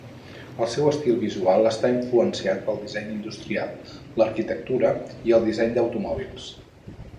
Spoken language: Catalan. El seu estil visual està influenciat pel disseny industrial, l'arquitectura i el disseny d'automòbils.